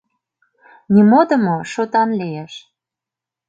Нимодымо — шотан лиеш.